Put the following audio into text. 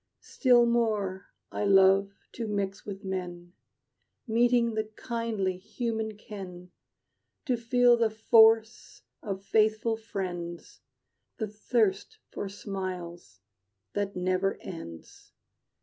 Still more I love to mix with men, Meeting the kindly human ken; To feel the force of faithful friends The thirst for smiles that never ends.